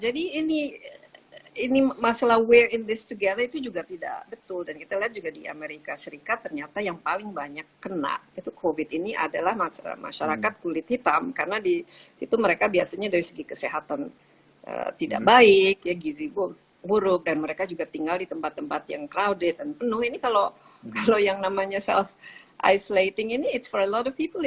jadi ini ini masalah we're in this together itu juga tidak betul dan kita lihat juga di amerika serikat ternyata yang paling banyak kena itu covid ini adalah masyarakat kulit hitam karena di situ mereka biasanya dari segi kesehatan tidak baik ya gizi buruk dan mereka juga tinggal di tempat tempat yang crowded dan penuh ini kalau yang namanya self isolating ini it's for a lot of people